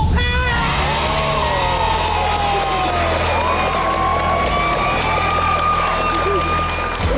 ของพี่